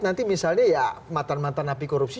nanti misalnya ya mantan mantan api korupsi